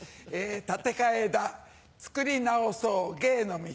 建て替えだ作り直そう芸の道。